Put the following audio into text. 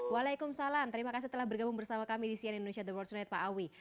waalaikumsalam terima kasih telah bergabung bersama kami di sian indonesia the world tonight pak awi